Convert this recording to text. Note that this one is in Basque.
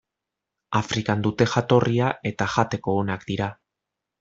Afrikan dute jatorria eta jateko onak dira.